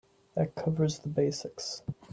That covers the basics.